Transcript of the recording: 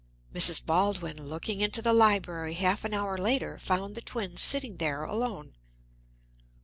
Mrs. Baldwin, looking into the library half an hour later, found the twins sitting there alone.